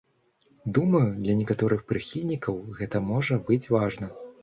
Думаю, для некаторых прыхільнікаў гэта можа быць важна.